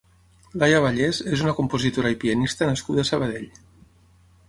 Laia Vallès és una compositora i pianista nascuda a Sabadell.